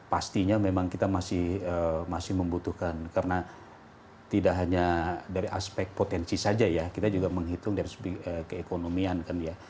pastinya memang kita masih membutuhkan karena tidak hanya dari aspek potensi saja ya kita juga menghitung dari segi keekonomian kan ya